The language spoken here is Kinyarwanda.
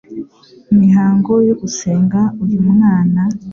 Imihango yo gusenga uyu mwana